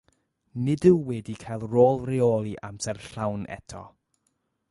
Nid yw wedi cael rôl reoli amser llawn eto.